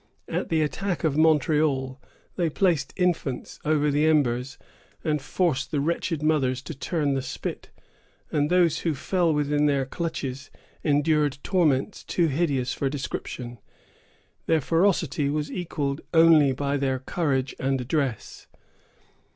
At the attack of Montreal, they placed infants over the embers, and forced the wretched mothers to turn the spit; and those who fell within their clutches endured torments too hideous for description. Their ferocity was equalled only by their courage and address.